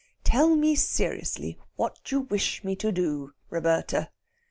"Tell me seriously what you wish me to do, Roberta."